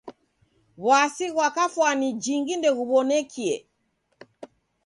W'asi ghwa kafwani jingi ndeghuw'onekie.